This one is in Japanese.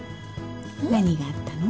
何があったの？